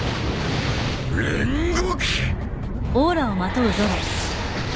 煉獄。